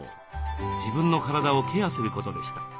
自分の体をケアすることでした。